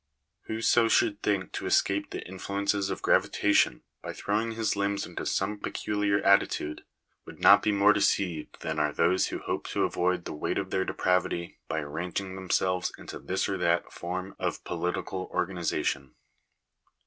Whoso should think to escape the influence of gravitation by throwing his limbs into some peculiar attitude, would not be more deceived than are those who hope to avoid the weight of their depravity by arranging themselves into this or that form of political organization.